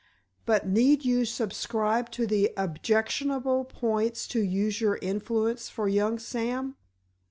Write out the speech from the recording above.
"But need you subscribe to the objectionable points to use your influence for young Sam?"